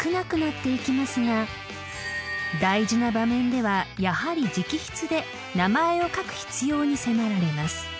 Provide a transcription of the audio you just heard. ［大事な場面ではやはり直筆で名前を書く必要に迫られます］